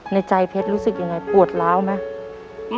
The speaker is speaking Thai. ในใจเพชรรู้สึกยังไงปวดล้าวไหม